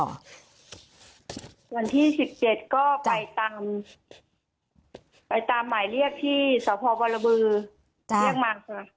วันที่๑๗ก็ไปตามไปตามหมายเรียกที่สพบรบือเรียกมาค่ะ